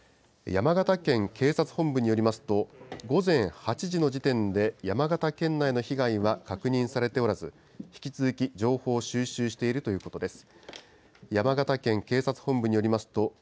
山形県警察本部によりますと、午前８時の時点で、山形県内の被害は確認されておらず、引き続き情報を収集しているということです。